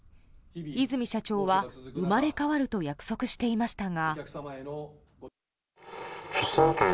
和泉社長は生まれ変わると約束していましたが。